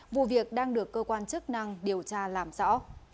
vụ việc đang được cơ quan chức năng điều tra làm rõ